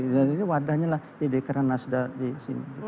jadi ini wadahnya lah di dekrean nasta di sini